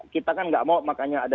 kita kan nggak mau makanya ada